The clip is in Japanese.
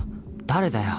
誰だよ。